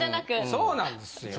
そうなんですよ。